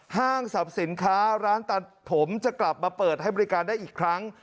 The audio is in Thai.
ห้างสรรพสินค้าร้านตัดผมจะกลับมาเปิดให้บริการได้อีกครั้ง